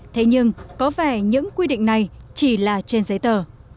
thế nhưng có vẻ những quy định này chỉ là trên giấy tờ